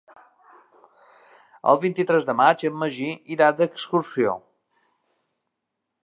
El vint-i-tres de maig en Magí irà d'excursió.